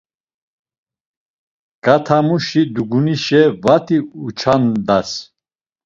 K̆atamuşi dugunişe vati uçandas.